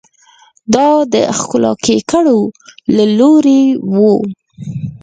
دا د ښکېلاکګرو له لوري وو.